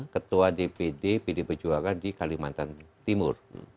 ketua dpd pd perjuangan di kalimantan timur